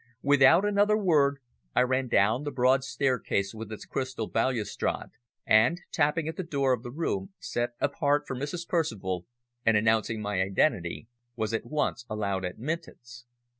Without another word I ran down the broad staircase with its crystal balustrade and, tapping at the door of the room, set apart for Mrs. Percival, and announcing my identity, was at once allowed admittance.